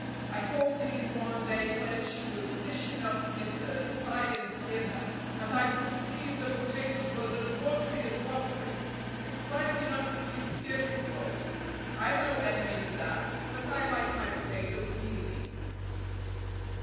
I called in one day when she was dishin' up Mr. Tryan's dinner, an' I could see the potatoes was as watery as watery. It's right enough to be speritial, I'm no enemy to that, but I like my potatoes mealy."